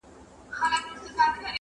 ډیري به واورو له منبره ستا د حورو کیسې٫